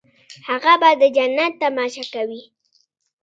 هغه به د جنت تماشه کوي.